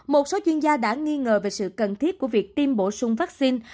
một số chuyên gia đã nghi ngờ về sự cần thiết của việc tiêm bổ sung vaccine